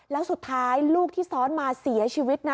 แล้วสุดท้ายลูกที่ซ้อนมาเสียชีวิตนะ